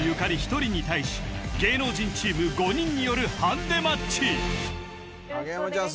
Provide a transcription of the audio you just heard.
１人に対し芸能人チーム５人によるハンデマッチ影山ちゃん